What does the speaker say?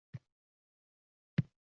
Donolar nodonga egilsa, netay?